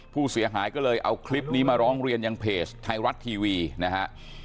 ผู้เสียหายก็เลยเอาคลิปนี้มาร้องเรียนยังเพจไทยรัฐทีวีนะฮะ